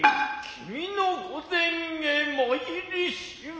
君の御前へ参りしは。